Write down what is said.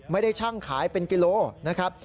ไม่ได้ชั่งขายเป็นกิโลนะครับ